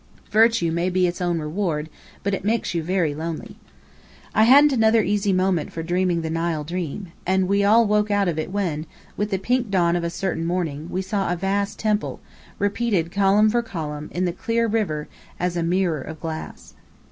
Virtue may be its own reward, but it makes you very lonely! I hadn't another easy moment for dreaming the Nile dream. And we all woke out of it when, with the pink dawn of a certain morning, we saw a vast temple, repeated column for column, in the clear river, as in a mirror of glass.